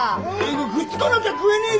くっつかなきゃ食えねえでしょ！？